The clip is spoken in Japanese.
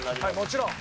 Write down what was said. もちろん。